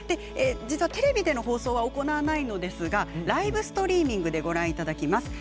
実はテレビでの放送は行わないのですがライブストリーミングでご覧いただけます。